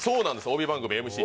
帯番組ＭＣ